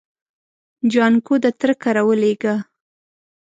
جانکو د تره کره ولېږه.